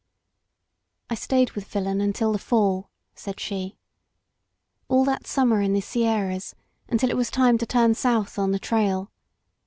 I stayed with Filon until the fall," said she. A11 that summer in the Sierras, until it was time to turn south on the trail.